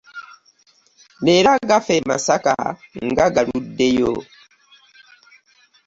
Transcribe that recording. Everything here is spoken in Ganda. Leero agafa e Masaka nga galuddeyo!